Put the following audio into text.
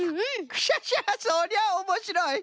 クシャシャそりゃおもしろい！